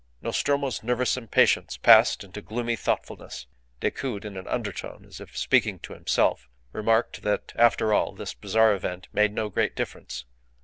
Nostromo's nervous impatience passed into gloomy thoughtfulness. Decoud, in an undertone, as if speaking to himself, remarked that, after all, this bizarre event made no great difference.